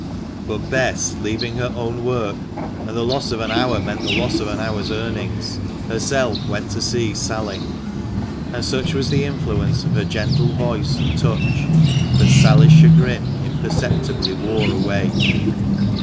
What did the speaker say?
But Bess, leaving her own work — and the loss of an hour meant the loss of an hour's earnings — herself went to see Sally ; and such was the influence of her gentle voice and touch, that Sally's chagrin imperceptibly wore away.